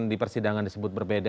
di persidangan disebut berbeda